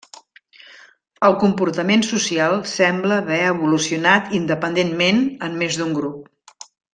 El comportament social sembla haver evolucionat independentment en més d'un grup.